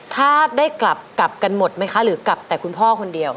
ถ้าได้กลับกลับกันหมดไหมคะหรือกลับแต่คุณพ่อคนเดียว